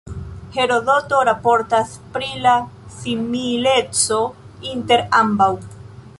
Herodoto raportas pri la simileco inter ambaŭ.